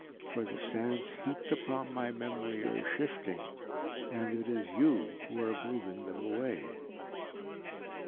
For the sands heaped upon my memory are shifting, and it is you who are moving them away."